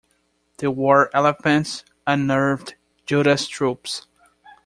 The war elephants unnerved Judas' troops.